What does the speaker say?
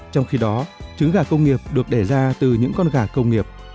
trong khi đó trứng gà công nghiệp được đẻ ra từ những con gà công nghiệp